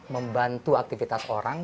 membantu aktivitas orang